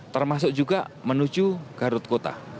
termasuk juga menuju garut kota